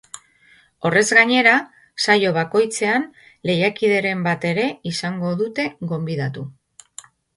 Horrez gainera, saio bakoitzean lehiakideren bat ere izango dute gonbidatu.